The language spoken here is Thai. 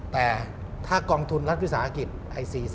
แต่ถ้ากองทุนรัฐวิทยาศาสตร์อังกฤษ